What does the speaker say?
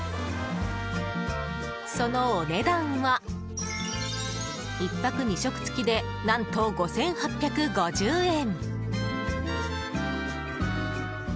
そのお値段は１泊２食付きで何と５８５０円！